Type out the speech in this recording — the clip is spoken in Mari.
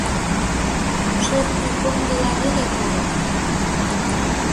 Шӧртньӧ поҥгыла веле койыт.